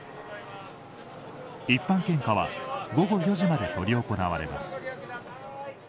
一般献花は午後４時まで執り行われます。